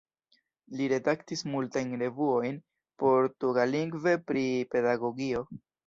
Li redaktis multajn revuojn portugallingve pri pedagogio.